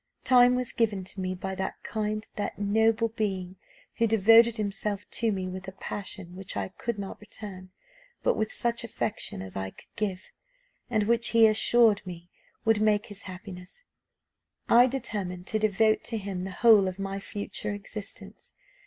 "Time was given to me by that kind, that noble being, who devoted himself to me with a passion which I could not return but, with such affection as I could give, and which he assured me would make his happiness, I determined to devote to him the whole of my future existence.